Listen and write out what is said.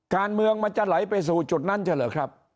การเมืองมันจะไหลไปสู่จุดนั้นใช่เหรอครับ